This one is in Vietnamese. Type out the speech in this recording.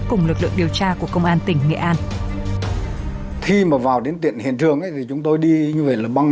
cùng lực lượng điều tra của công an tỉnh nghệ an